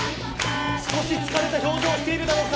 少し疲れた表情をしてるだろうか。